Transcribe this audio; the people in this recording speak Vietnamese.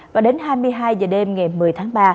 và đến hai mươi hai h đêm ngày một mươi tháng ba